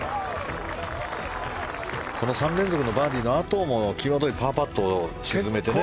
この３連続のバーディーのあともきわどいパーパットを沈めてね。